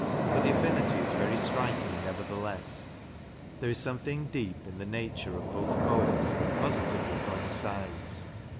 But the affinity is very striking, nevertheless ; there is something deep in the nature of both poets that positively coincides.